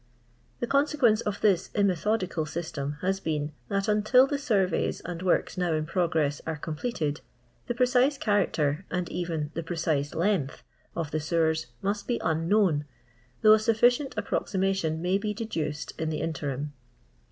The consequence of this immethodical system has been that, until the surveys and works now in progress are completed, the precise character, and even the precise length, of the sewers must be unknown, though a sufficient approximation may be deduced in the interim.